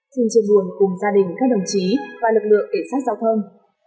xin chân buồn cùng gia đình các đồng chí và lực lượng cảnh sát giao thông